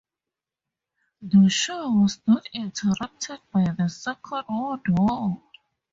The show was not interrupted by the Second World War.